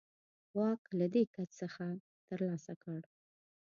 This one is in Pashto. واک له دې کس څخه ترلاسه کړ.